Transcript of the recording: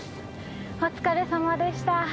お疲れさまでした！